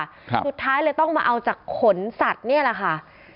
เนี่ยผู้ท้ายต้องมาเอาจากขนสัตว์เนี่ยละค่ะ